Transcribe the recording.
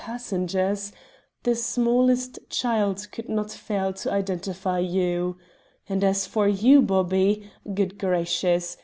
passengers, the smallest child could not fail to identify you. And as for you, Bobby! Good gracious!